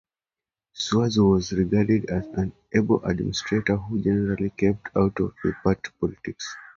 Schwarz was regarded as an able administrator who generally kept out of party politics.